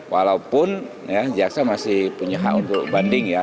walaupun jaksa masih punya hak untuk banding ya